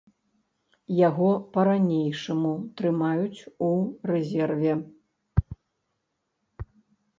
Яго па-ранейшаму трымаюць у рэзерве.